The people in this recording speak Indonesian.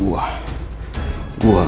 gua gak akan biarin